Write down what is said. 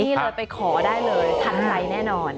นี่เลยไปขอได้เลยทันใจแน่นอน